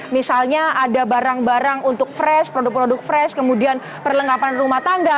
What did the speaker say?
misalnya ada barang barang untuk fresh produk produk fresh kemudian perlengkapan rumah tangga